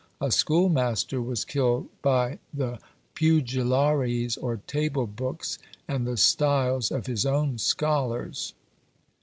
A schoolmaster was killed by the Pugillares or table books, and the styles of his own scholars.